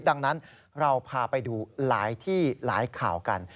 ดังนั้นเราพาไปดูหลายที่หลายข่าวกัน